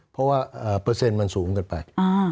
เพราะว่าเปอร์เซ็นต์มันสูงเกินไป